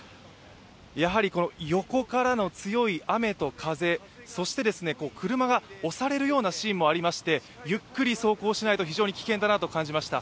やはり横からの強い雨と風、そして車が押されるようなシーンもありまして、ゆっくり走行しないと非常に危険だなと感じました。